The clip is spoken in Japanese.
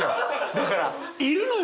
だからいるのよ